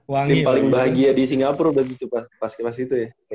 tim paling bahagia di singapura udah gitu pas kemas itu ya